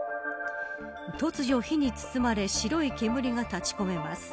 突如、火に包まれ白い煙が立ち込めます。